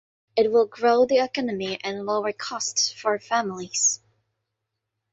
It will grow the economy and lower costs for families.